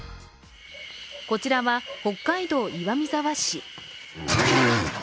こちらは北海道岩見沢市。